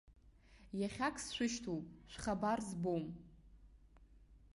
Иахьак сшәышьҭоуп, шәхабар збом!